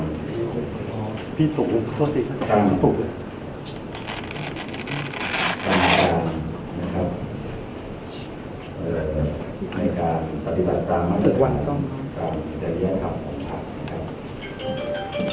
ในเรื่องเกี่ยวกับในการในการในการปฏิบัติตามันในการจัดเรียนธรรมของพัทรนะครับ